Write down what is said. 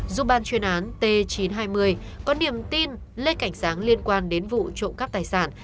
dù ban chuyên án t chín trăm hai mươi có niềm tin lê cảnh sáng liên quan đến vụ trộm cắp tài sản